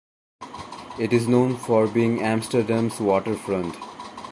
It is known for being Amsterdam's waterfront.